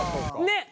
ねっ！